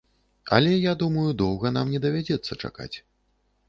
Але я думаю, доўга нам не давядзецца чакаць.